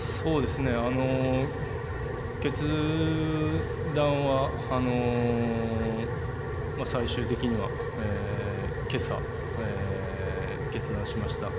決断は最終的には、けさ、決断しました。